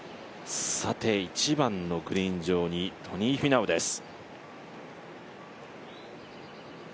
１番のグリーン上にトニー・フィナウです。